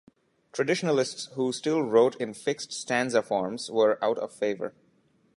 Traditionalists who still wrote in fixed stanza forms were out of favor.